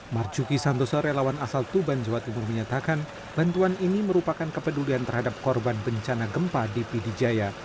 marcuki santoso relawan asal tuban jawa timur menyatakan bantuan ini merupakan kepedulian terhadap korban bencana gempa di pidijaya